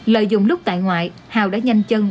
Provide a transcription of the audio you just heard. lợi dụng lúc tại ngoại hào đã nhanh chân